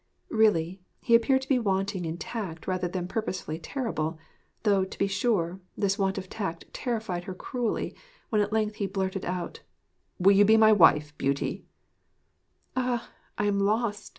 Really, he appeared to be wanting in tact rather than purposely terrible; though, to be sure, this want of tact terrified her cruelly, when at length he blurted out: 'Will you be my wife, Beauty?' 'Ah! I am lost!'